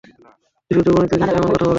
বিশুদ্ধ গণিতই কিন্তু এমন কথা বলছে।